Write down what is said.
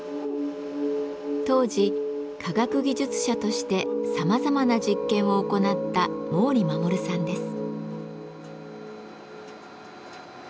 当時科学技術者としてさまざまな実験を行った毛利衛さんです。